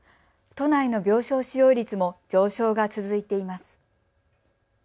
都内の病床使用率も上昇が続いています。